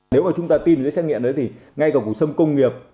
nếu mà chúng ta tin với xét nghiệm đấy thì ngay cả củ sâm công nghiệp